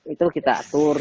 itu kita atur